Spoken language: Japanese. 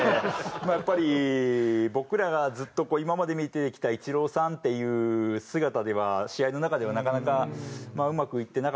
まあやっぱり僕らがずっと今まで見てきたイチローさんっていう姿では試合の中ではなかなかうまくいってなかったので。